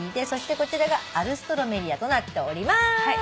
そしてこちらがアルストロメリアとなっております。